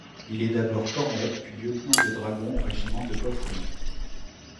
Il est d'abord cornette puis lieutenant de dragons au régiment de Bauffremont.